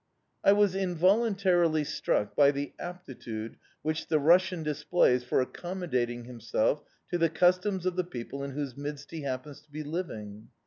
I was involuntarily struck by the aptitude which the Russian displays for accommodating himself to the customs of the people in whose midst he happens to be living.